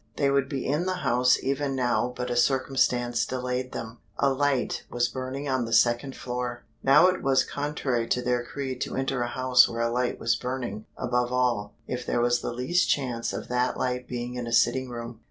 They would be in the house even now but a circumstance delayed them a light was burning on the second floor. Now it was contrary to their creed to enter a house where a light was burning, above all, if there was the least chance of that light being in a sitting room.